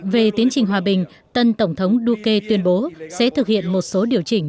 về tiến trình hòa bình tân tổng thống duque tuyên bố sẽ thực hiện một số điều chỉnh